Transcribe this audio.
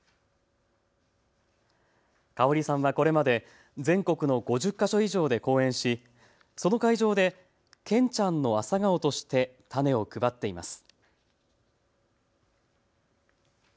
香さんはこれまで全国の５０か所以上で講演しその会場でけんちゃんの朝顔として種を配っています。